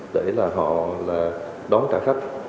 để là họ đón trả khách